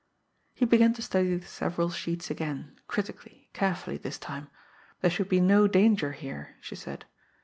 He began to study the several sheets again, critically, carefully this time. There should be no danger here, she said.